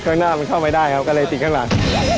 ข้างหน้ามันเข้าไม่ได้ครับก็เลยติดข้างหลัง